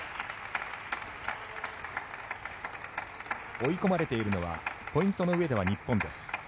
追い込まれているのはポイントの上では日本です。